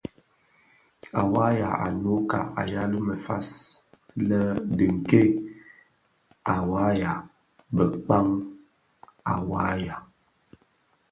A wayag a Nnouka a yal mefas le dhi Nke a wayag bè Mkpag a wayag.